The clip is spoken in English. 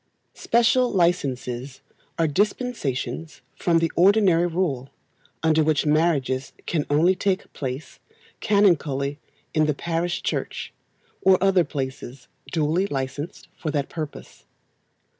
Special licences are dispensations from the ordinary rule, under which marriages can only take place canonically in the parish church, or other places duly licensed for that purpose.